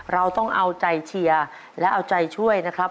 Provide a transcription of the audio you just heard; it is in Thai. เราต้องเอาใจเชียร์และเอาใจช่วยนะครับ